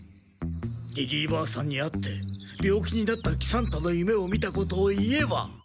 リリーばあさんに会って病気になった喜三太の夢を見たことを言えば。